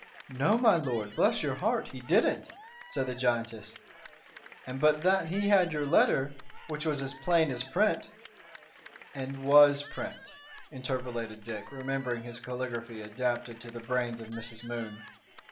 "No, my lord, bless your heart! he didn't," said the giantess; "and but that he had your letter, which was as plain as print " "And was print," interpolated Dick, remembering his caligraphy adapted to the brains of Mrs. Moon.